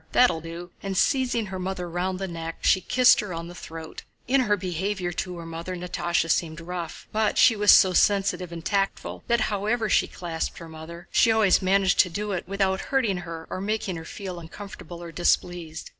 that'll do!" And seizing her mother round the neck, she kissed her on the throat. In her behavior to her mother Natásha seemed rough, but she was so sensitive and tactful that however she clasped her mother she always managed to do it without hurting her or making her feel uncomfortable or displeased.